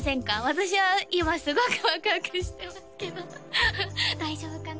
私は今すごくワクワクしてますけど大丈夫かな？